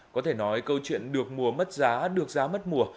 có thể nói câu chuyện được mùa mất giá được giá mất mùa